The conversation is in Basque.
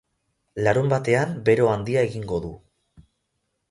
Larunbatean bero handia egingo du.